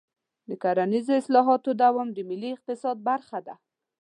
د کرنیزو اصلاحاتو دوام د ملي اقتصاد برخه ده.